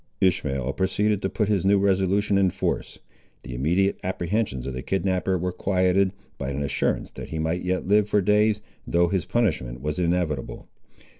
Ishmael proceeded to put his new resolution in force. The immediate apprehensions of the kidnapper were quieted, by an assurance that he might yet live for days, though his punishment was inevitable.